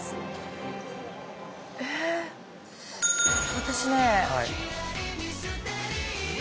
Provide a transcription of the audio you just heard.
私ね。